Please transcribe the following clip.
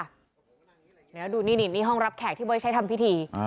เดี๋ยวดูนี่ห้องรับแขกที่เบิร์ตใช้ทำพิธี